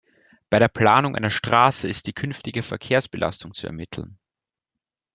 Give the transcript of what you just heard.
Bei der Planung einer Straße ist die künftige Verkehrsbelastung zu ermitteln.